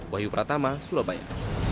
wahyu pratama surabaya